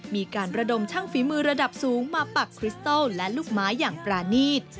มีการระดมช่างฝีมือระดับสูงมาปักคริสตอลและลูกไม้อย่างปรานีต